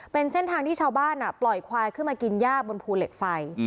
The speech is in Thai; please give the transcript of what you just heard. เป็นเส้นทางที่ชาวบ้านปล่อยควายขึ้นมากินยากบนภูเหล็กไฟ